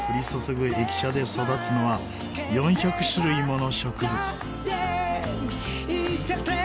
駅舎で育つのは４００種類もの植物。